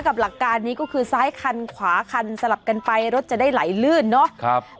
หลักการนี้ก็คือซ้ายคันขวาคันสลับกันไปรถจะได้ไหลลื่นเนาะ